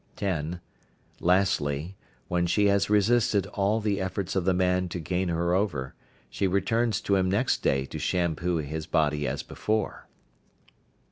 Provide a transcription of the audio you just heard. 10. Lastly, when she has resisted all the efforts of the man to gain her over, she returns to him next day to shampoo his body as before.